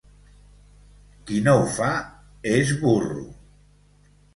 Qui no ho fa és burro!